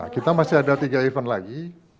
kita masih ada tiga event lagi